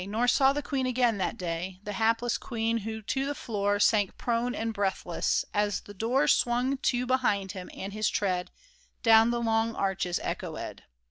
Nor saw the queen again that day — The hapless queen, who to the floor Sank prone and breathless, as the door Swung to behind him, and his tread Down the long arches echoed.